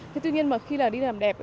thế tuy nhiên mà khi đi làm đẹp